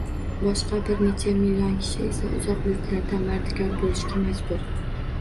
Boshqa bir necha million kishi esa uzoq yurtlarda mardikor bo‘lishga majbur.